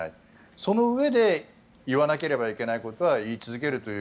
そのうえで言わなければいけないことは言い続けるという。